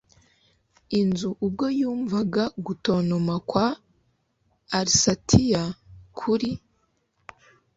inzu ubwo yumvaga gutontoma kwa alsatiya kuri